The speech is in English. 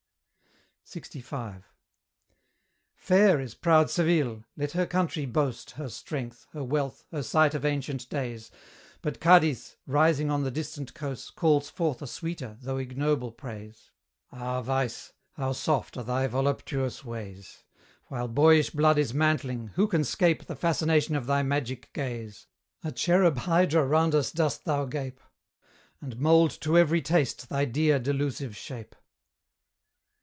LXV. Fair is proud Seville; let her country boast Her strength, her wealth, her site of ancient days, But Cadiz, rising on the distant coast, Calls forth a sweeter, though ignoble praise. Ah, Vice! how soft are thy voluptuous ways! While boyish blood is mantling, who can 'scape The fascination of thy magic gaze? A cherub hydra round us dost thou gape, And mould to every taste thy dear delusive shape.